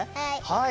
はい。